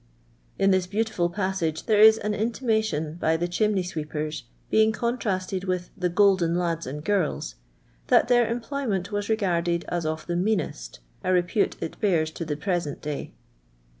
la this btfQiitiful passage there is an intimation, by the " chimney sweepers" being contrasted with the ''golden lads and girls," that thoir employ ment was regarded as of the meanest, a repute it be»ir8 to the present day.